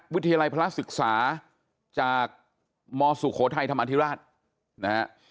วิทยาลัยพระศึกษาจากมสุโขทัยธรรมอธิราชนะฮะ